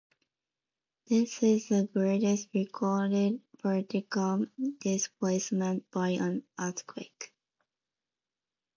This is the greatest recorded vertical displacement by an earthquake.